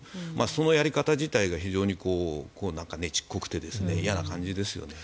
そのやり方自体が非常にねちっこくて嫌な感じですよね。